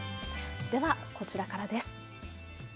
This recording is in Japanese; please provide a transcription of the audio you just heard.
ではこちらからです。